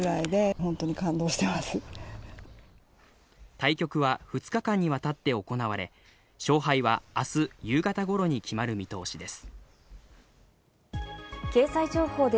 対局は２日間にわたって行われ、勝敗はあす夕方ごろに決まる見通しです。